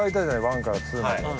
ワンからツーまで。